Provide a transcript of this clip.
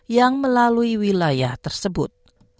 yang melalui wilayah tersebut